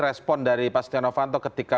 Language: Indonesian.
respon dari pak setia novanto ketika